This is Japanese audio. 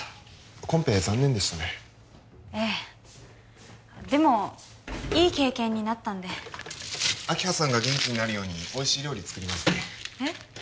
コンペ残念でしたねええでもいい経験になったんで明葉さんが元気になるようにおいしい料理作りますねえっ？